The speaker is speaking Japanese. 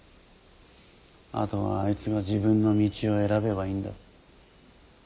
あとはあいつが自分の道を選べばいいんだ。